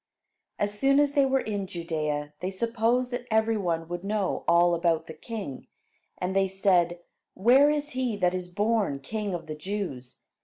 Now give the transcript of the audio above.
As soon as they were in Judea, they supposed that every one would know all about the king, and they said: "Where is he that is born king of the Jews?